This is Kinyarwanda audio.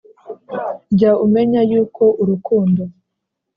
jya umenya yuko urukundo